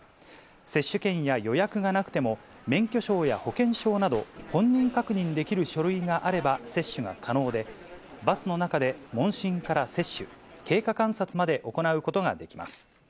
接種券や予約がなくても、免許証や保険証など、本人確認できる書類があれば接種が可能で、バスの中で問診から接種、経過観察まで行うことができます。